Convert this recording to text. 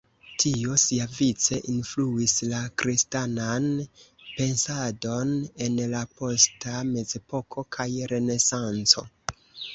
Tio siavice influis la kristanan pensadon en la posta Mezepoko kaj Renesanco.